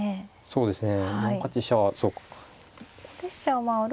そうですね。